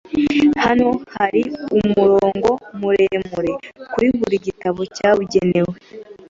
Hano hari umurongo muremure kuri buri gitabo cyabigenewe.